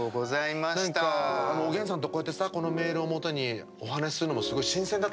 何かおげんさんとこうやってさこのメールをもとにお話するのもすごい新鮮だった。